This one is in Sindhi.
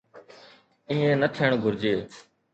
ائين نه ٿيڻ گهرجي.